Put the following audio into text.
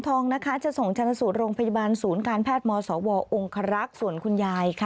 แต่หลังจากล้มป่วยกลับมาอยู่บ้านกับคุณยายนี่แหละ